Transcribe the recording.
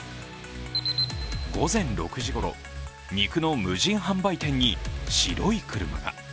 午前６時ごろ、肉の無人販売店に白い車が。